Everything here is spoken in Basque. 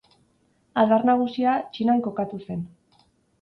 Adar nagusia Txinan kokatu zen.